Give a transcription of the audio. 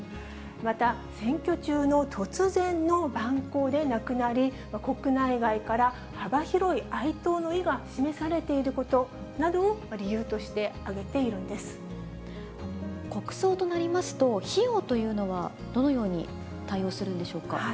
また、選挙中の突然の蛮行で亡くなり、国内外から幅広い哀悼の意が示されていることなどを理由として挙国葬となりますと、費用というのは、どのように対応するんでしょうか。